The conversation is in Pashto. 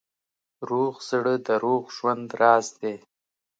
روغ زړه د روغ ژوند راز دی.